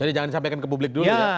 jadi jangan disampaikan ke publik dulu ya